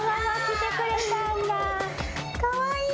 かわいい！